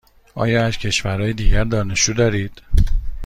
آیا از کشورهای دیگر دانشجو دارید؟